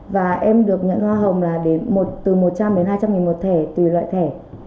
và em được nhận hoa hồng là từ một trăm linh đến hai trăm linh nghìn một thẻ tùy loại thẻ